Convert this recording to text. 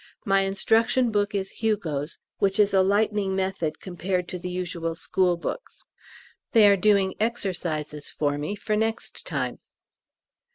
My instruction book is Hugo's, which is a lightning method compared to the usual school books. They are doing exercises for me for next time.